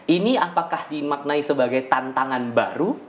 ini apakah dimaknai sebagai tantangan baru